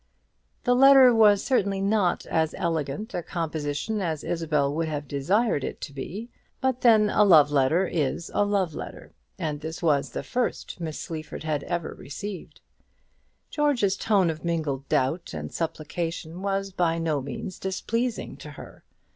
The letter was certainly not as elegant a composition as Isabel would have desired it to be; but then a love letter is a love letter, and this was the first Miss Sleaford had ever received. George's tone of mingled doubt and supplication was by no means displeasing to her.